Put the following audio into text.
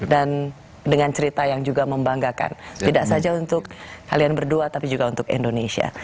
dan dengan cerita yang juga membanggakan tidak saja untuk kalian berdua tapi juga untuk indonesia